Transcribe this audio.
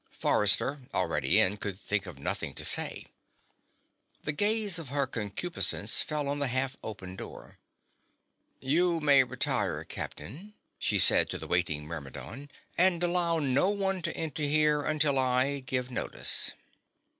Forrester, already in, could think of nothing to say. The gaze of Her Concupiscence fell on the half open door. "You may retire, Captain," she said to the waiting Myrmidon. "And allow no one to enter here until I give notice."